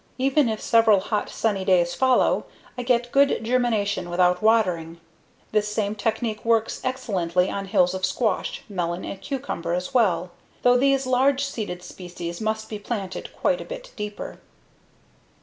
Even if several hot sunny days follow I get good germination without watering. This same technique works excellently on hills of squash, melon and cucumber as well, though these large seeded species must be planted quite a bit deeper.